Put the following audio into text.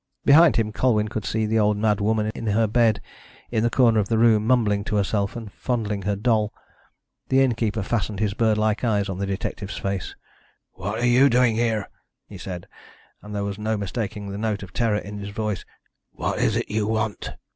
Behind him, Colwyn could see the old mad woman in her bed in the corner of the room, mumbling to herself and fondling her doll. The innkeeper fastened his bird like eyes on the detective's face. "What are you doing here?" he said, and there was no mistaking the note of terror in his voice. "What is it you want?"